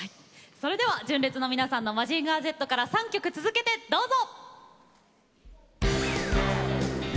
それでは純烈の皆さんの「マジンガーＺ」から３曲続けてどうぞ。